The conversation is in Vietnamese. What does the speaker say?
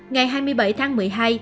ngày hai mươi bảy tháng một mươi hai